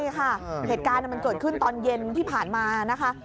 ใช่ค่ะเหตุการณ์มันเกิดขึ้นตอนเย็นที่ผ่านมานะคะ